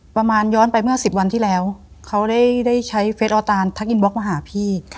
ย้อนไปเมื่อ๑๐วันที่แล้วเขาได้ใช้เฟสออตานทักอินบล็อกมาหาพี่